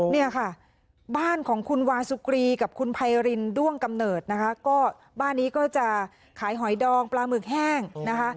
เนี่ยค่ะบ้านของคุณวาสุกรีกับคุณไพรินด้วงกำเนิดนะคะก็บ้านนี้ก็จะขายหอยดองปลาหมึกแห้งนะคะ